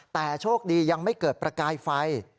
แต่โชคดียังไม่เกิดประกายไฟ